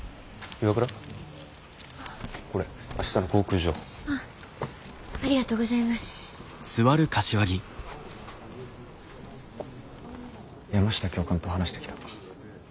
山下教官と話してきた。